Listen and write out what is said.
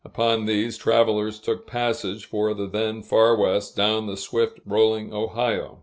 Upon these, travelers took passage for the then Far West, down the swift rolling Ohio.